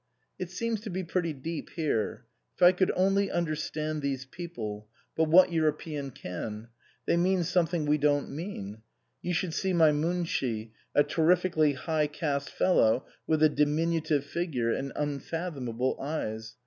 " It seems to be pretty deep here. If I could only understand these people but what Euro pean can ? They mean something we don't mean. ... You should see my Munshi, a terrifically high caste fellow with a diminutive figure and unfathomable eyes.